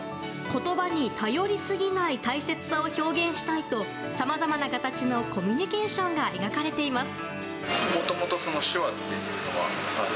言葉に頼りすぎない大切さを表現したいとさまざまな形のコミュニケーションが描かれています。